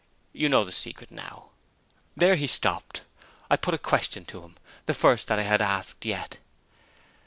You know the secret now." There he stopped. I put a question to him the first that I had asked yet.